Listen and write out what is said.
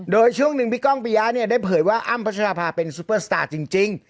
โดยช่วงหนึ่งพี่ก้องปียะเนี่ยได้เผยว่าอ้ำพัชราภาเป็นซุปเปอร์สตาร์จริง